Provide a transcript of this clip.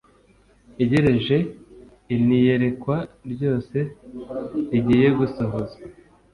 iregereje l n iyerekwa ryose rigiye gusohozwa